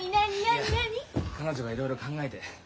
いや彼女がいろいろ考えて。